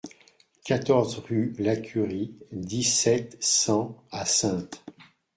quatorze rue Lacurie, dix-sept, cent à Saintes